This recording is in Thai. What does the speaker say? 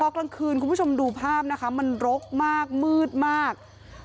กลางคืนคุณผู้ชมดูภาพนะคะมันรกมากมืดมาก